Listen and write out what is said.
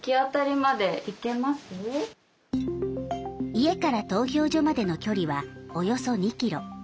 家から投票所までの距離はおよそ２ｋｍ。